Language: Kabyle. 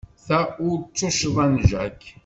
Ta ur d tuccḍa n Jack.